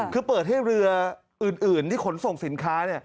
คือเปิดให้เรืออื่นที่ขนส่งสินค้า